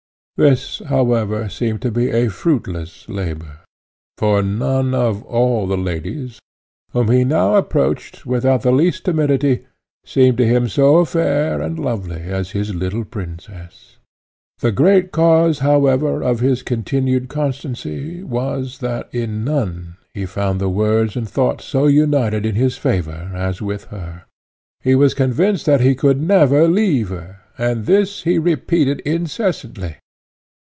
This, however, seemed to be a fruitless labour, for none of all the ladies, whom he now approached without the least timidity, seemed to him so fair and lovely as his little princess. The great cause however of his continued constancy was, that in none he found the words and thoughts so united in his favour as with her. He was convinced that he could never leave her, and this he repeated incessantly.